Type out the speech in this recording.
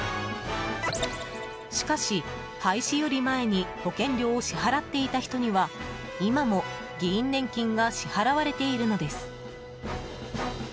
しかし、廃止より前に保険料を支払っていた人には今も議員年金が支払われているのです。